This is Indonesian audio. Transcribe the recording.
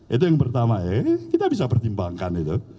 itu yang pertama kita bisa pertimbangkan